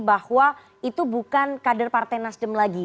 bahwa itu bukan kader partai nasdem lagi